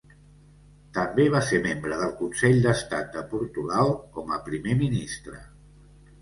També va ser membre del Consell d'Estat de Portugal com a primer ministre.